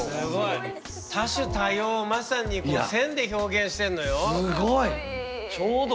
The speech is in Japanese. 多種多様をまさにこの線で表現してんのよ。